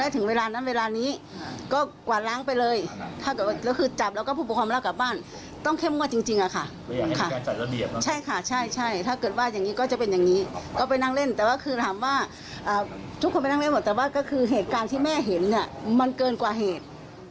ที่แม่เห็นเนี่ยมันเกินกว่าเหตุ